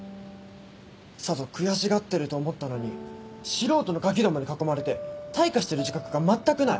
さぞ悔しがってると思ったのに素人のガキどもに囲まれて退化してる自覚がまったくない。